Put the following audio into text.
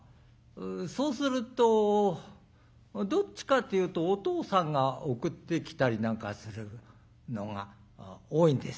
そうするとどっちかっていうとお父さんが送ってきたりなんかするのが多いんですね。